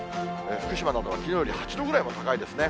福島などはきのうより８度ぐらいも高いですね。